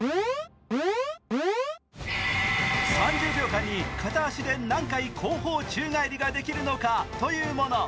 ３０秒間に片足で何回後方宙返りができるのかというもの。